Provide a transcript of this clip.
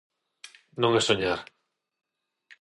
Non é soñar.